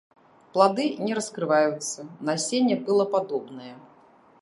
Плады не раскрываюцца, насенне пылападобнае.